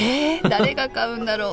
誰が買うんだろう？